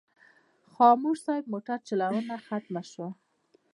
خاموش صاحب موټر چلونه ختمه شوه.